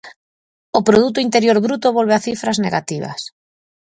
O Produto Interior Bruto volve a cifras negativas.